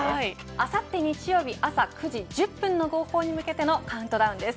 あさって日曜日朝９時１０分の号砲に向けてのカウントダウンです。